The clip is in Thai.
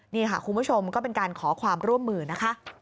นี่ค่ะคุณผู้ชมก็เป็นการขอความร่วมมือนะคะ